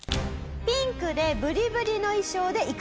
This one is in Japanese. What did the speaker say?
ピンクでブリブリの衣装で行く。